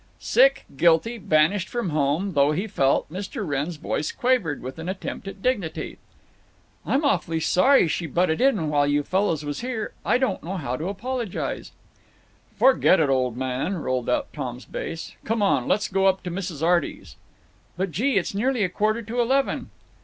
Sick, guilty, banished from home though he felt, Mr. Wrenn's voice quavered, with an attempt at dignity: "I'm awful sorry she butted in while you fellows was here. I don't know how to apologize" "Forget it, old man," rolled out Tom's bass. "Come on, let's go up to Mrs. Arty's." "But, gee! it's nearly a quarter to eleven."